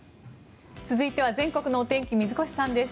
続いて全国のお天気水越さんです。